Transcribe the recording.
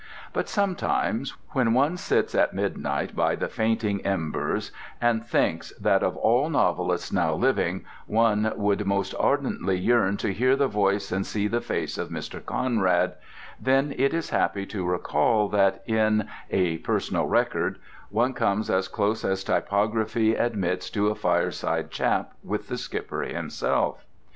But sometimes, when one sits at midnight by the fainting embers and thinks that of all novelists now living one would most ardently yearn to hear the voice and see the face of Mr. Conrad, then it is happy to recall that in "A Personal Record" one comes as close as typography permits to a fireside chat with the Skipper himself.